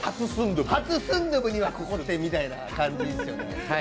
初スンドゥブには、ここみたいな感じですよね。